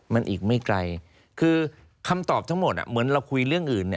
มันอีกไม่ไกลคือคำตอบทั้งหมดเหมือนเราคุยเรื่องอื่น